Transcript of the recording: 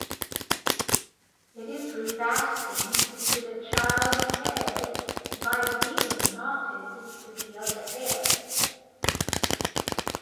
It is refastened to the child's head by being knotted to the other hair.